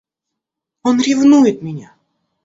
Он ревнует меня!